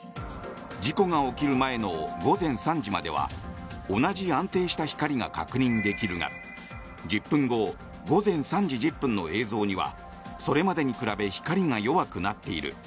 事故が起きる前の午前３時までは同じ安定した光が確認できるが１０分後午前３時１０分の映像にはそれまでに比べ光が弱くなっている。